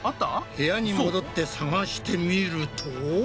部屋に戻ってさがしてみると。